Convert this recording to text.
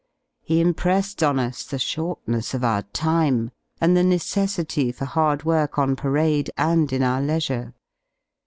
He impressed on us the shortness of our time and the necessity for hard work on parade and in our leisure.